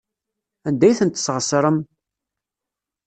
Anda ay tent-tesɣesrem?